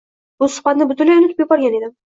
Bu suhbatni butunlay unutib yuborgan edim.